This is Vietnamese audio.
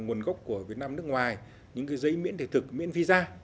nguồn gốc của việt nam nước ngoài những giấy miễn thể thực miễn visa